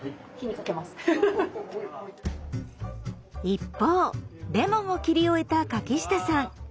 一方レモンを切り終えた柿下さん。